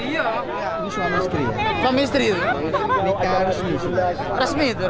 sejanda itu punya anak itu